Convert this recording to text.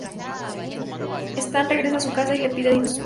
Stan regresa a su casa y le pide dinero a sus padres.